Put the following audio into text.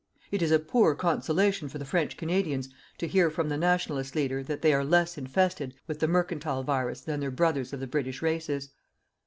It is a poor consolation for the French Canadians to hear from the Nationalist leader that they are less infested with the mercantile virus than their brothers of the British races.